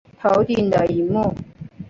头顶的萤幕